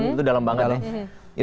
itu dalam banget ya